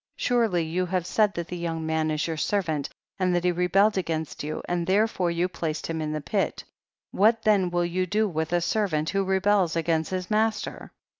17. Surely you have said that the young man is your servant, and that he rebelled against you, and there fore vou placed him in the pit ; what then will you do with a servant who rebels against his master?